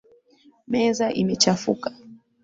Meza imechafuka.